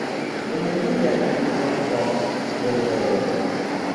En mian propran lernejon.